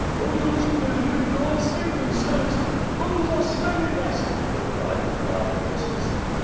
"All those who believe in God, save themselves! The Poles are slaying us," they cried with loud voices.